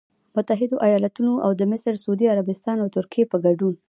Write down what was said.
متحدوایالتونو او د مصر، سعودي عربستان او ترکیې په ګډون